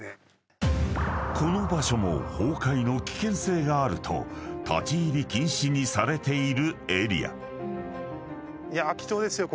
［この場所も崩壊の危険性があると立入禁止にされているエリア］ですね。